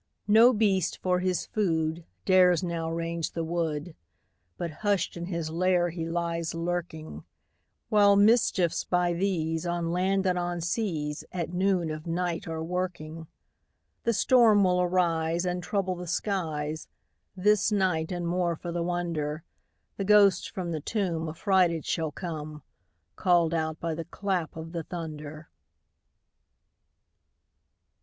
No beast, for his food, Dares now range the wood, But hush'd in his lair he lies lurking; While mischiefs, by these, On land and on seas, At noon of night are a working. The storm will arise, And trouble the skies This night; and, more for the wonder, The ghost from the tomb Affrighted shall come, Call'd out by the clap of the thunder.